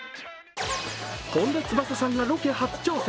本田翼さんがロケ初挑戦。